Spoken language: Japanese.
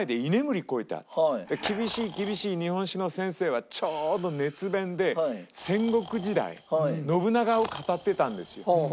で厳しい厳しい日本史の先生はちょうど熱弁で戦国時代信長を語ってたんですよ。